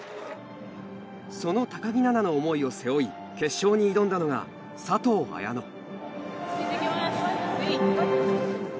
その高木菜那の思いを背負い決勝に挑んだのが佐藤綾乃。